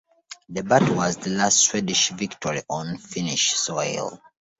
The battle was the last Swedish victory on Finnish soil.